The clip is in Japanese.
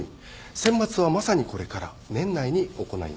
選抜はまさにこれから年内に行います。